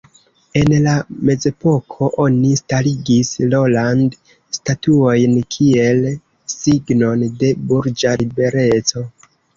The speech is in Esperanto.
En la mezepoko oni starigis roland-statuojn kiel signon de burĝa libereco.